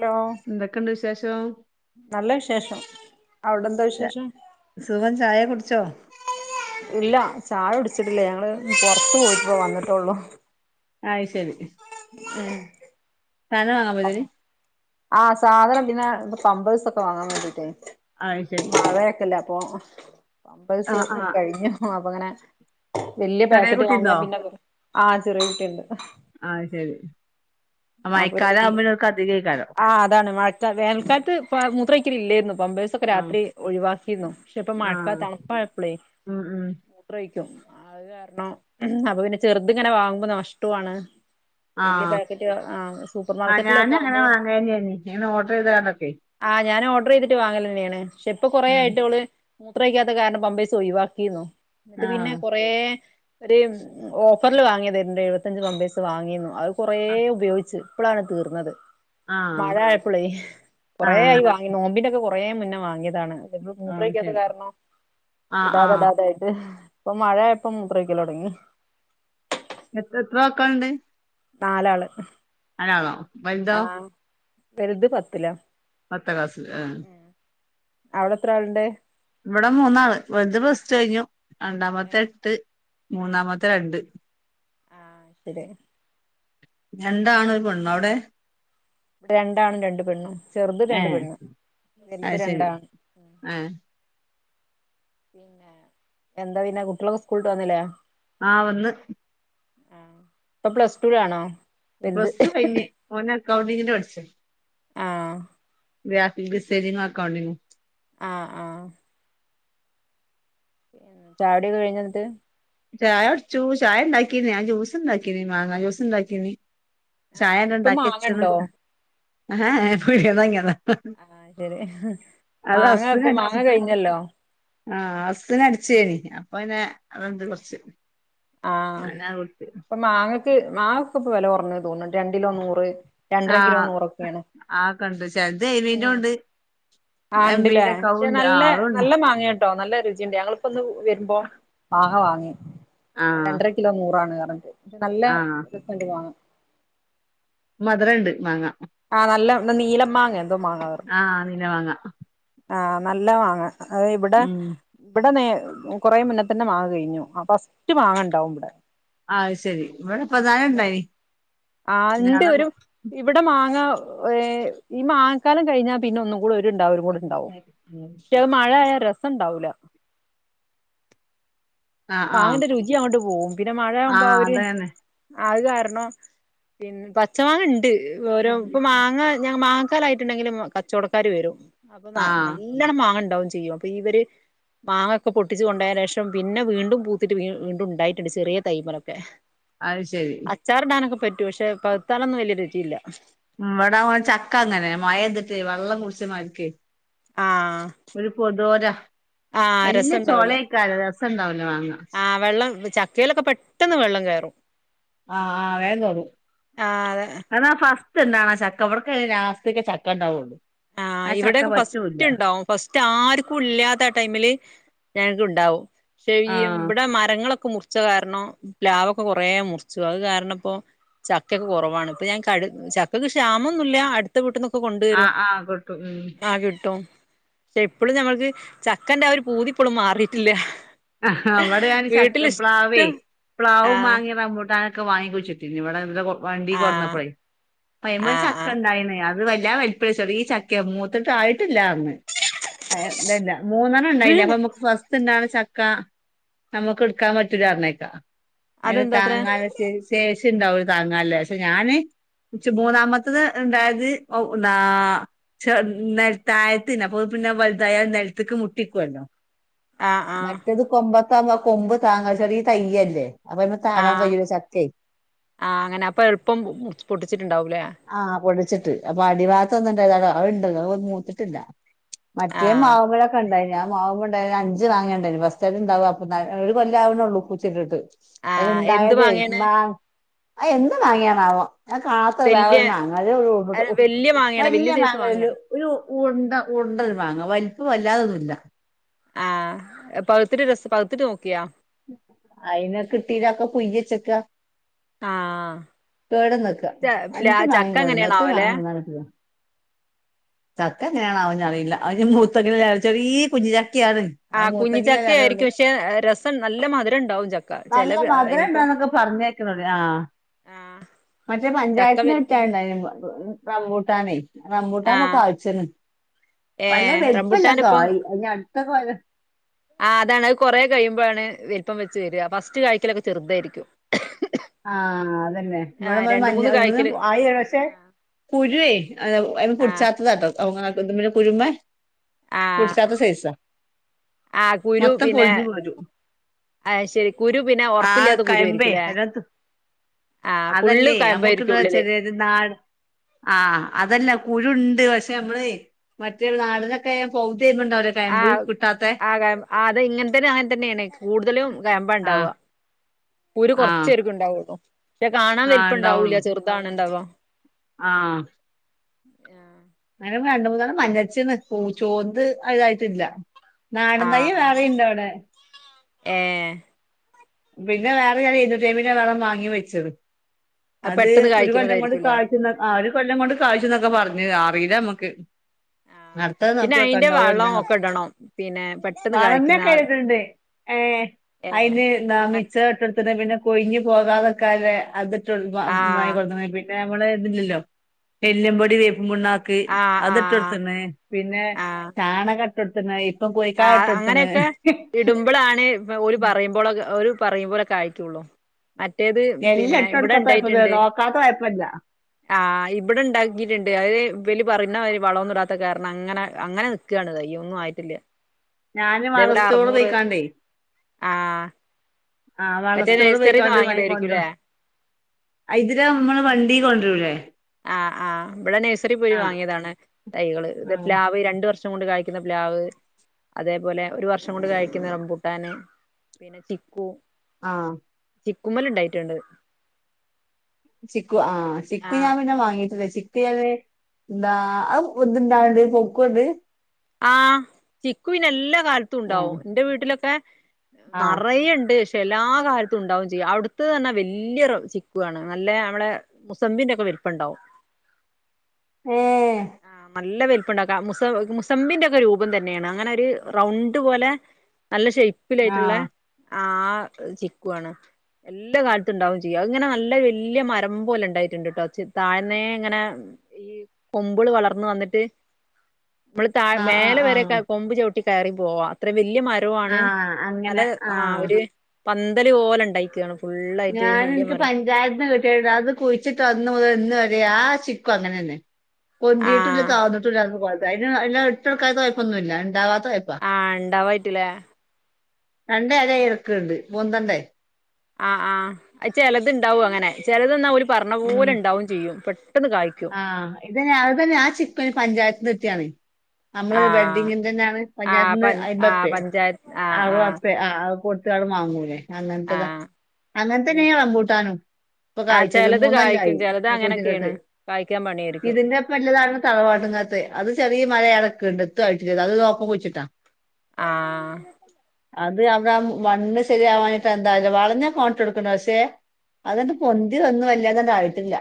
Hello എന്തൊക്കെണ്ട് വിശേഷം നല്ല വിശേഷം അവിടെ എന്താ വിശേഷം സുഖം ചായ കുടിച്ചോ ഇല്ല ചായ കുടി വച്ചിട്ടില്ല ഞങ്ങള് പുറത്തു പോയിട്ട് ഇപ്പോ വന്നിട്ടെള്ളൂ ആയി ശരി ഉം സാനം വാങ്ങാൻ പോയതേനി ആഹ് സാധന പിന്നെ പമ്പേഴ്സ് ഒക്കൊ വാങ്ങാൻ വേണ്ടയിട്ട് പ ആ ശരി അപ്പോ പാമ്പേഴ്സ് ആഹ് ആഹ് കഴിഞ്ഞു ഹ ഹാ അപ്പൊ അപ്പൊ അങ്ങനെ വലിയ ചെറിയ പാക്കറ്റ് വാങ്ങിയാ കുട്ടിണ്ടോ പിന്നെ ആഹ ചെറയിട്ടുണ്ട് ആഹ ശരി ആ അപ്പൊ മയക്കാലോ അമ്മനക്കത്തിക്കാലോ വേണകാലത്തു മൂത്രവോഴികളു ഇല്ലായിരുന്നു പംബേഴ്സൊക്കെ ആഹ് രാത്രി ഒഴിവാക്കിരുന്നു പക്ഷെ ഇപ്പൊ മഴക്കാല ആഹ് തണുപ്പഴപ്പളേ ഉം ഉം മൂത്രഴിക്കും അത് കാരണം അപ്പൊ പിന്നെ ചെറുത് ഇങ്ങനെ വാങ്ങുമ്പോ നഷ്ടമാണ് വലിയ ആഹ് പാക്കറ്റ് ആ സൂപ്പർ ആഹ് മാർക്കറ്റിലൊക്കെ ഞാനും അങ്ങനെ ആവുമ്പോ വാങ്ങേന്നേനി ഇങ്ങനെ ആ ഓർഡർ ചെയ്താണ്ടൊക്കെ ആ ഞൻ ഓ ചെയ്തി് വാങ്ങല തന്നെയാണ് പക്ഷെ ഇപ്പൊ കൊറേ ഉം ആായിട്ട് അവള് മൂത്രയ്ക്കാത്ത കാരണം പമ്പേ സോയിവാക്കിന്നു ഇത് പിന്നെ ആഹ് കൊറ ഒരു ഓഫറിൽ വാങ്ങിയ തരുന്നുണ്ട് എഴുപത്തഞ്ച് പമ്പേസ് വാങ്ങിു കുറേ ആഹ് ഉപയോഗിച്ച് ഇപ്പോഴാണ് തീർന്നത് മഴ ആഹ് ആയപ്പോളായി കൊറെ ആായി വാങ്ങി നോമ്പിനൊക്കെ കുറ മുന്നേ വാങ്ങിയതാണ് ആഹ് മൂത്രക്കാത്ത ശരി ആഹ് കാരണംഇടാതെ ആഹ് ഇടാതെ ആായിട്ട് ഇപ്പൊ മഴ ഇപ്പം മുത്രക്കല തുടങ്ങി എത്ര എത്ര വക്കണ്ട് നാലാള് അരാളോ വന്താ ആഹ് വലുത് പത്തിലി പത്താം ക്ലാസ് ആ അവിടെ എത്ര ആളുണ്ട് ഇവിടെ മൂന്നാള് വലുത് പ്ലസ് ടു കഴിഞ്ഞു രണ്ടാമത്തെ ഏഹ് എട്ട് മൂന്നാമത്തെ രണ്ട് ആ ശരി രണ്ടാാണ് ഒരു പെണ് അവിടെ ഇടെ രണ്ടാണ് രണ്ട പെണ്ണ് ചെറുത് രണ്ട ഏഹ് പെണ്ണ് വലുത് അത് ശരി രണ്ടാണ് ആഹ് പിന്നെ എന്താ പിന്നെ കുട്ടികളൊക്കെ സ്കൂളട്ട് വന്നില്ലേ ആ വന്ന് ആ ഇപ്പൊ പ്ലസ് ടുലാണോ പ്ലസ് ടു കഴിഞ്ഞ് ഒന് കൗണ്ടിങ്ങിന്റെ പഠിച്ച ആ ഗ്രാഫിക് ഡിസൈനിംഗ്, അക്കൗണ്ടിങ്ങ് ആ ആ ചായ കുടിയൊക്കെ കഴിഞ്ഞൊ എന്നിട്ട് ചായ കുടിച്ചു ചായ ഉണ്ടാക്കീ ഞാൻ ജ്യൂസ് ഉണ്ടാക്കീന് മാങ്ങാ ജ്യൂസ് ഉണ്ടാക്കീന് ആഹ് ചായന്നെ ഇപ്പൊ മാങ്ങ ഉണ്ടാക്കിച്ചണ് ഇണ്ടോ ഏഹ് പിടിയെന്നു വാങ്ങിയതാ ആഹ് ശരി അത് മാങ്ങ അസു ഇപ്പൊ മാങ്ങ കടിച്ചു കഴിഞ്ഞല്ലോ ആ അസ് അടിചെണി അപ്പൊ പിന്നെ [unintelligible] അതെന്ത് കോസ് [unintelligible] ആ അപ്പൊ മാങ്ങക്ക് മാങ്ങക്ക് ഇപ്പൊ വില കുറഞ്ഞു തോന്നണുണ്ട് രണ്ടിലോ ന്നൂറ് ആ ആ കണ്ട് ചെലത് ഉണ്ട് ആഹ് ഉണ്ടില്ലേ എമ്മീന്റെ പക്ഷെ ഒക്കുണ്ട് ആ് നല്ല അതണ്ട് നല്ല [unintelligible] മാങ്ങയാട്ടോ നല്ല രുചിയുണ്ട് ഞങ്ങലിപോ ഇന്ന് [unintelligible] വരുമ്പോ മാങ്ങ വാങ്ങി [unintelligible] ആഹ് രണ്ടര കിലോ [unintelligible] നല്ല ആഹ് രസണ്ട് മാങ്ങ മധുര ഉണ്ട് മാങ്ങ ആ നല്ല നീലം മാങ്ങ എന്തോ ആ നീലം മാങ്ങാ ആ ആ നല്ല മാങ്ങ അതെ ഇവിടെ ഉം ഇവിടെ നേ കൊറെേ മുന്നെ തന്നെ വാങ്ങി കഴിഞ്ഞു ഫസ്റ്റ് വാങ്ങണ്ടാവും ഇവിടെ ആഹ് ശെരി ഇവിടെ പ്രധാന എന്നിട്ട് ഇണ്ടനി ആ ഇണ്ട് ഒരു [unintelligible] ഇവിടെ മാങ്ങ ഏ ഈ മാങ്ങക്കാലം കഴിഞ്ഞാൽ പിന്നെ ഒന്നും കൂടെ ഒരുണ്ടാ ണ്ടാവും മറ്റേത് മഴ ആയാ രസ രസണ്ടാവൂല ആഹ് ആഹ് മാങ്ങന്റെ രുചി അങ്ങോട്ട് പോകും പിന്നെ മഴയാകുമ്പോ ആഹ് അവര്- അതന്നെ അത് കാരണം പിന്നെ പച്ചമാങ്ങ ഇണ്ട് ഓരോ ഇപ്പൊ മാങ്ങ ഞ മാ ക്കാലായിട്ടുണ്ടെങ്കിലും കച്ചവടക്കാര് വരും. അപ്പൊ ന ആഹ് നല്ലോണം മാങ്ങൻ ണ്ടാവും ചെയ്യും. അപ്പൊ ഇവര് മാങ്ങൊക്കെ പൊട്ടിച്ചു കൊണ്ടേയേനു ശേഷം പിന്നെ വീ ണ്ടും പൂത്തിട്ട് വീ വീണ്ടും ഉണ്ടായിട്ടുണ്ട് ചെറിയ തൈമലൊക്കെ. അത് ശരി അച്ചാറിടാനൊക്കെ പറ്റ് റ്റു. പക്ഷെ പഴ്ത്താലൊന്നും വലിയ രുചിയില്ല. ഉം ഇവടാ ചക്ക അങ്ങനെ. മഴെയ്തിട്ടേ വെള്ളം കുടിച്ച മാരിക്കേ ആ ഒരു പൊതോരാ. ആ വല്ല്യ രസം ഉണ്ടാവൂല ചൊളേക്കാര രസണ്ടാവൂലോ വാങ്ങ ക്കേയിലൊക്കെ പെട്ടെന്ന് വെള്ളം കേറും. ആഹ് ആഹ് വേം കേറും ആഹ് അതെ അതാ ഫസ് റ്റ്ണ്ടാണ ചക്ക ഇവട്ക്കയ്ന് ലാസ്റ്റ്ക്കെ ചക്കണ്ടാവൊള്ളൂ. ആഹ് ഇവിടെയൊക്കെ ഫസ്റ്റ് ഉണ്ടാവും ഫസ്റ്റ് ആർക്കും ഇല്ലാത്ത ആ ടൈമില് ഞങ്ങക്ക് ഉണ്ടാവും. പക്ഷെ ഈ ആഹ് ഇവടെ മരങ്ങളൊ ക്ക മുർച്ച കാരണം പ് ലാവൊക്കെ കൊറേ മുറിച്ചു. അത് കാരണപ്പോ ചക്ക്യൊക്കെ കൊറവാണ് ഇപ്പൊ ഞാൻ കഴ് ചക്കക്ക് ക്ഷാമൊന്നുല്ല അടുത്ത വീട്ട്ന്ന് ക്കൊ കൊണ്ടുവരും. ആഹ് ആഹ് ക്ട്ടും ഉം ആഹ് കിട്ടും പക്ഷെ ഇപ്പോളും ഞമ്മൾക്ക് ചക്കന്റെ ആ ഒരു പൂതി ഇപ്പോളും മാറിട്ടില്ല. ആഹ അവിടെ ഞാൻ ചക്ക പ്ലാവേ പ്ലാവ് ആഹ് മാങ്ങേം റമ്പൂട്ടാൻ ഒക്കെ വാങ്ങിക്ക് വെച്ചിട്ടില്ലെ ഇവിടെ ഇവിടെ കൊ വണ്ടി ആഹ് കൊറന്നപ്പളേ അയ്മ്മേ ആഹ് ആഹ് ചക്കണ്ടായിന്നെ അ ത് വല്ല വെൽപ്പിടിച്ചോ ഈ ചക്ക മൂത്തിട്ട് ആയിട്ടി ല്ലാർന്നു. അയ് പിന്നെ മൂന്നണ്ണം ഉണ്ടായില്ലെ വീണ് അപ്പൊ നമ്മക്ക് ഫസ്റ്റ് ഉണ്ടാ ക്കാ നമ്മക്ക് എടുക്കാൻ പറ്റുല്ല പറഞ്ഞേക്കാ അതിന് അതെന്താ അത്ര താങ്ങാൻ വെച്ചേ ചേ പ ഉണ്ടാവ താങ്ങേ പക്ഷെ ഞാാന് മൂന്നാമത്തത് ഉണ്ടായത് നൽത്തഴത്തിന്ന അപ്പൊ പിന്നെ വലുതായ നിലത്തക്ക് മുട്ടിക്കുവല്ലോ ആഹ് ആഹ് മറ്റേത് കൊമ്പ കൊമ്പ് താങ്ങാ ചെറിയ തയ്യല്ലേ അപ്പൊ അയ്മെ താങ്ങാൻ ആഹ കഴിയൂല ചക്കേ ആഹ അങ്ങനെ അപ്പൊ എളുപ്പം പൊട്ടിച്ചിട്ടുണ്ടാവൂലേ ആഹ് പൊടിച്ചിട്ട് അപ്പൊ അടിഭാത്ത ഒന്നും ഇണ്ടത ഉണ്ട ഒന്നും മൂത്തിട്ടില്ല മറ്റേ ആഹ് മാവ്പോഴൊക്കെ ഉണ്ടായി ഞാ ആവ്പോണ്ടേ അഞ്ച് വാങ്ങിയണ്ട് സ് ഉണ്ടാവും അപ്പ ഒരു കൊല്ലാവേ ഉള്ളൂ പൂച്ചിട്ടിട്ട് ആഹ് എന്ത് അന്തായതെ മാങ്ങയാണ് മാ എന്ത് വാങ്ങ്യാന ആാവം ഞാൻ കാണത്ത വേറെ വല്യ ഒരു അല്ല, മാങ്ങല്ട്ട വല്യ മാങ്ങയാണ് വല്യ കന്ിയ സൈസ് മാങ്ങയില് മാങ്ങയാണ് ഒരു ഉണ്ട ഉണ്ടൽ വാങ്ങ വലിപ്പം വല്ലാതൊന്നുമല്ല ആഹ പകത്തിട്ട് രസ പകുത്തിട്ട് നോക്കിയാ അയിന കിട്ടീനാക്കെ കുയ്യച്ചക്ക ആ കേട് വന്നക്ക അഞ്ച് മാങ്ങേം കേട് ഒറ്റ എങ്ങനെയാണാവല്ലേ മാങ്ങ തിന്നാൻ കിട്ടീല. ച എങ്ങനെയാണോവോ ഞ്ഞാഅറിയില്ല അവഞ്ഞി മൂത്തങ്ങനെ ചെറീ കുഞ്ഞിയ ആ കുഞ്ഞി ചക്ക ആയിരിക്കും. പക്ഷെ രസം നല്ല മധുരം ഉണ്ടാവും ചക്ക ചെല നല്ല മധുരം ഇനിപ്പോ ഉണ്ടാന്നൊക്കെ പറഞ്ഞേക്കണുണ്ട് ആ മറ്റേ പഞ്ചായത്തീന്ന് കിട്ടേണ്ട റംബൂട്ടാനെ റംബൂട്ടാൻ ഇപ്പോ കായ്ച്ചന് ഏ റംബുട്ടാൻ ഇപ്പം അതിന് അടുത്ത കൊല്ലം ആ അതാണ് അത് കൊറേ കഴിയുമ്പോഴാണ് വലു പ്പം വെച്ച് വരാ. ഫസ്റ്റ് കായ്ക്കലൊക്കെ ചെറുതായിരിക്കും ആ അതന്നെ. ഇവിടെ ആഹ് രണ്ട് മഞ്ഞ മൂന്ന് ഇന്ന് കായ്ക്കല് ആയി വന്ന് പക്ഷെ കുരുവേ അത് ആഹ് പുടിച്ചാത്തതാട്ടോ [unintelligible] കുരൂമ്മേ ആ ആ കുരു മൊത്തം പിന്നെ പൊളിഞ്ഞു പോരും അത് ശരി കുരു പിന്നെ ആ ഉറപ്പില്ലാത്ത കുരു കയമ്പേ ആയിരിക്കൂലേ അതിനകത്ത് അതല്ലേ നമുക്കെന്ന് ഉള്ളില് വെച്ചാല് ഒരു നാടൻ ആ അതല്ല കുരുണ്ട്. പക്ഷെ നമ്മളേ മറ്റേ നാടനൊക്കായ ആ ആ കയമ്പ ആ ഇങ്ങനത്തെന് അങ്ങനെ തന്നെയാണ് കൂടുതലും കയമ്പ ആ ഇണ്ടാവ കുരു ആ കൊറച്ചായിരിക്കും ഇണ്ടാവുള്ളൂ. പക്ഷെ കാണാൻ ആ വലുപ്പം ഉണ്ടാവൂല്ല ഉണ്ടാവുള്ളൂ ചെറുതാണുണ്ടാവ ആ ആ അങ്ങനെ രണ്ട് മൂന്നെണ്ണം മഞ്ഞച്ചണ് ചോന്ത് ഇതായിട്ടില്ല നാടൻ തൈയ്യ് വേറെ ഇണ്ട് അവിടെ. ഏ പിന്നെ വേറെ ഞാൻ [unintelligible] വളം വാങ്ങി വെച്ചത് അത് പെട്ടെന്ന് ഒരു കൊല്ലം കൊണ്ട് കായ്ക്കുന്നതായിരിക്കുംല്ലേ കാഴ്ചന്ന ആ ഒരു കൊല്ലം കൊണ്ട് കാഴ്ചന്നൊക്കെ പറഞ്ഞ് അറിയില്ല നമക്ക് ക്ക് ആഹ് നർത്തത് പിന്നെ അയിന്റെ നോക്കിവെക്കെണ്ടാ വോ വളം ഒക്കെ അല്ലേന്നൊക്കെ. ഇടണം പിന്നെ പെട്ടെന്ന് വളമ്മ്യാ കായ്ക്കുന്ന കെടക്കണത് ഏഹ് അയിന് നാ അങ്ങനെ മിച്ച ഇട്ടു കൊടു അത് പിന്നെ കൊഴിഞ്ഞു പോകാതെ നിക്കാല്ലെ അത് ട്ടു മായി ആഹ് കൊടുത്ത് പി പിന്ന നമ്മള് ഇതില്ലല്ലോ. എല്ലുംപൊടി പുണ്ണാക്ക് ആഹ് അത് ഇട്ട് ആഹ് കൊടുത്തേക്കണ് പിന്നെ ആഹ് ചാണക ട്ടൊ ആ അങ്ങനെയൊക്കെ ഇടുമ്പോഴാണ് ഒരു പറയുമ്പോൾ ഒരു പറയുമ്പോലൊക്കെ ആയിട്ടൊള്ളു മറ്റേത് എല്ലാം പിന്നെ ഇട്ട് ഇവിടെ കൊടുക്കാത്ത കുഴപ്പമില്ല ഉണ്ടായിട്ടുണ്ട് നോക്കാത്ത കുഴപ്പമില്ല ആ ഇവിടെ ഉണ്ടാക്കിട്ടുണ്ട് അത് വലു- പറയുന്ന മാതിരി വളമൊന്നും ഇടാത്ത കാരണം അങ്ങനെ അങ്ങനെ നിൽക്കാണ് തയ്യൊന്നും ആയിട്ടില്ല ഞാനും ഇതേപോലെ അസ്ഥയോട് അറുന്നൂറ് പോയിക്കാണ്ടേ ആ ആ വള മറ്റേ സ്റ്റോർ നഴ്സറിന്ന് പോയിക്കാണ്ട്മായി കൊണ്ട വാങ്ങിയതായിരിക്കുംല്ലേ അതിര നമ്മള് വണ്ടി കൊണ്ടുവരുൂല്ലേ ആ ആ ഇവിടെ നഴ്സറി പോയി വാങ്ങിയതാണ് തൈകള് ഇത് ആ പ്ലാവ് രണ്ട് ഒരു വർഷം കൊണ്ട് കായ്ക്കുന്ന പ്ലാവ് അതേപോലെ ഒരു വർഷം കൊണ്ട് കായ്ക്കുന്ന റംമ്പൂട്ടൻ പിന്നെ ചിക്കു ആ ചിക്കുമ്മല് ഉണ്ടായിട്ടുണ്ട് ചി- ചിക്കു ആ ചിക്കു ഞാൻ പിന്നെ വാങ്ങീട്ടില്ല ചിക്കു എന്താ ഇത് ഇണ്ടണ്ട് പൊ [inaudible] ക്കണ്ട് ആഹ ചിക്കുവിനെല്ല ഏ കാലത്തുണ്ടാവും എന്റെ വീട്ടിലൊക്കെ ആ നെറയുണ്ട് എല്ലാ കാലത്തും ഉണ്ടാവും ചെയ്യും അവിടുത്തെന് വലിയ ചിക്കുവാണ് നല്ല നമ്മളുടെ മുസമ്പിന്റെ ഒക്കെ വലുപ്പം ഉണ്ടാവും ഏ ആ നല്ല വലിപ്പുണ്ടാക്കും മുസ- മുസംബി മസമ്പിന്റെ ഒക്കെ രൂപം തന്നെയാണ് അങ്ങനെ ഒരു റൗണ്ട് പോലെ നല്ല ആ ഷെയ്പ്പിലായിട്ടുള്ള ആ ചിക്കുവാണ് എല്ലാ കാലത്തും ഉണ്ടാവും ചെയ്യും ഇങ്ങനെ നല്ല വല്യേ മരം പോലെ ഇണ്ടായിട്ടുണ്ട് ട്ടോ അ താഴ്ന്നേ ഇങ്ങനെ കൊമ്പിള് വളർന്ന് വന്നിട്ട് നമ്മള് താ ആ ആ മേലെ ആ വരെ ഒക്കെ കൊമ്പു ചവിട്ട- കയറി പോക അത്ര വ ല്യ ആ മരാണ് നല്ല അങ്ങനെ ആ ഒര് പന്തല് ഓലെ ഉണ്ടായിക്കാണും. ഞാന് ഇൻക്ക് പഞ്ചായത്ത്ന്ന് കിട്ടിയ താടാ അത് കുഴിച്ചിട്ട് അന്ന് മുതൽ ഇന്ന് വ അതെ ആ ചിക്കു അങ്ങനെന്നെ പൊന്തിയിട്ടൂല്ല ആഹ് താന്നിട്ടുല്ല ന്ന കോല അയ്ന അല്ല ഇട്ടൊക്കാത്തതിൻ്റെ കുഴപ്പൊന്നുംല്ല ഉണ്ടാവാ ആ ഇണ്ടാവ ട്ടിലേ? രണ്ട് അര ക്ക്ണ്ട് പൊന്തണ്ടേ ആ ആ അത് ചിലത്ണ്ടാവും അങ്ങനെ ചെലതിന്നാല് പറഞ്ഞ പോലെ ഉം ഇണ്ടാവും ചെയ്യും പെ ആഹ് ഇതന്നെ അതന്നെ ആ ചിക്കു അയ്ന് പഞ്ചായത്തിന്ന് ട്ട്യാണ്. നമ്മള് ആഹ് വെഡ്ഡിങ്ങിന്റെന്നാണ്. ആഹ് പഞ്ചായത്ത്ന്ന് പ ആഹ് അയ്മ്പപ്പ്യേ, പഞ്ചായത്ത് ആഹ് ആഹ് അറുവർപ്യേ ആ അഹ് ത്തേള് മാങ്ങൂ ലേ. അങ്ങൻത്തെതാ. ആഹ് അങ്ങൻത്തെന്ന്യേ ഇണ്ട് റംമ്പൂട്ടാനും. ഇപ്പൊ ആഹ് കായിച്ചതും ചിലത് കായ്ക്കും മൂന്നൊല്ലായി ചിലത് അങ്ങനൊക്കെയാണ് [unintelligible] കായ്ക്കാൻ പണിയായിരിക്കും ഇതിന്റെപ്പല്ലതാണ് തറവാട്ങ്ങത്തെ അത് ചെറിയ മരായി അടക്ക്ണ്ട്. എത്തും ആയിട്ടില്ലത്. അതുതും ഒപ്പം കുഴിച്ചിട്ടാ. ആഹ് അത് അതാ മണ്ണ് ശരിയാവാഞ്ഞിട്ടാ എന്താ അറീല്ല. വളഞ്ഞക്കോൻ ഇട്ടൊടുക്ണ്ട പക്ഷെ അതാണ്ട് പൊന്തി വന്നു വല്ല്യാതാണ്ടായിട്ടില്ല.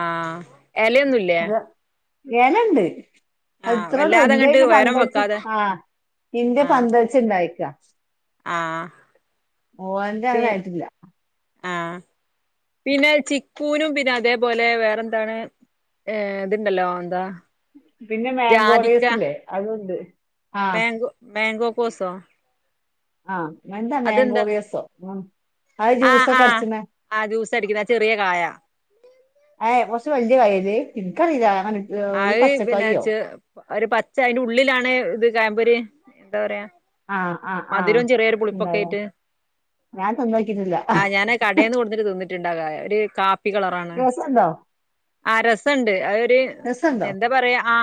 ആ എലയൊന്നുല്ലേ? എലണ്ട്. അഇത്രോടം ഇൻ്റെത് അങ്ങട്ട് പിന്നെ ഉയരം പന്തലിച്ച്, വെക്കാതെ ആ ഇൻ്റത് ആഹ് പന്തലിച്ച്ണ്ടായ ക്കാ. ആഹ് ഓന്റെ അതായിട്ടില്ല. ആ പിന്നെ ചിക്കൂനും പിന്നെ അതേപോലെ വേറെന്താണ് ഏ ഇത്ണ്ടല്ലോ എന്താ പിന്നെ മാങ്കോറിയസ്സ് ഇല്ലേ. അതൂണ്ട് മാൻഗോ മാൻഗോ പോസോ ആ എന്താ മാങ്കോറിയസ്സോ ആഹ് ആഹ് ആഹ് ജ്യൂസടിക്കുന്ന ചെറിയ കായാ. ഏ കുറച്ച് വലിയ കായേല് എനിക്കറിയില്ലങ്ങനെ ആയ് പിന്നെച്ച് ഒരു പച്ച അയിന്റെ ഉള്ളിലാണ് ഇത് കയമ്പൊര് എന്താ പറയാ. ആഹ് ആഹ് ആഹ് മധുരവും ചെറിയൊരു പുളിപ്പൊക്കെ ആയിട്ട് ഞാൻ തിന്നോക്കിട്ടില്ല. റ്റിണ്ടാകാ ടി കാ പ്പികളറാണ്. ആ രസ ഉണ്ട് അതൊരു രസമുണ്ടോ എന്താ പറയാ ആ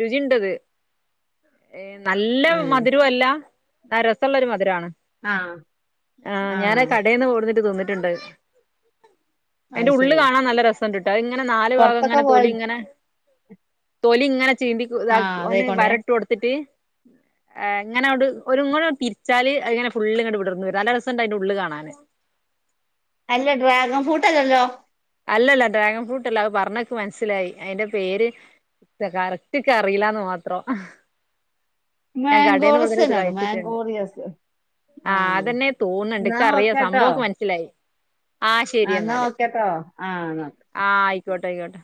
രുചിണ്ടത്. ഏ നല്ല ഉം. മധുരോ അല്ല. ആ രസ ഉള്ളൊരു മധുരാണ്. ആ ആ ഞാനാ കടേന്ന് ഓടിന്നിട്ട് തിന്നി റ്റുണ്ട് അത് അയിൻ്റെ ഉള്ള് ശരി കാണാൻ നല്ല രസം ഇങ്ങനെ നാല് ഭാഗം പുറത്തൊക്കെ ഇങ്ങനെ പോയ തൊലി ഇങ്ങനെ തൊലി ഇങ്ങനെ ചീന്തി ആ ഇതാക്കി ഒന്ന് അതേക്കൊണ്ടേ വരട്ട് കൊടുത്തിട്ട് ആ ഇങ്ങനെ അവിട് ഒരു ഇങ്ങോട്ട് തിരിച്ചാല് ഇങ്ങനെ ഫുള്ള് ഇങ്ങട്ട് വിടർന്നു വരും നല്ല രസ ണ്ടതിന്റെ ഉള്ള് കാണാൻ അല്ല ഡ്രാഗൻ ഫൂട്ട്ല്ലല്ലോ അല്ലല്ല ഡ്രാഗൺ ഫ്രൂട്ട്ല്ല അ പറഞ്ഞക്കെ മനസ്സിലായി അതിൻന്റെ പേര് കറക്റ്റ്ക്കെ അറിയില്ലന്ന് മാത്രം ഞാൻ കടയിൽന്ന് മാംഗോറസ് കൂടു ഇ തന്നെയാണ് കഴിച്ചിട്ടുണ്ട് മാംഗോറിയസ് ആ ആഹ് അതെന്നെ തോന്നുന്നുണ്ട് എന്നാ ഇക്ക അറിയാ ഓക്കെ കേട്ടോ സംഭവൊക്കെ മനസ്സിലായി ആഹ് ശെരി എന്നാല് ആഹ് ന്ന ഓക്കെ കോട്ടെയ്ക്കോട്ടെ